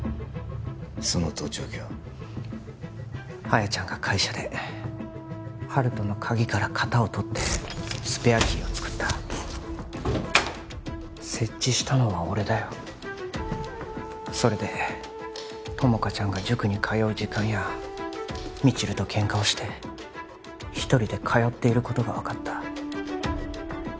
亜矢ちゃんが会社で温人の鍵から型を取ってスペアキーを作った設置したのは俺だよそれで友果ちゃんが塾に通う時間や未知留とケンカをして一人で通っていることが分かった